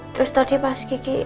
terus tadi pas gigi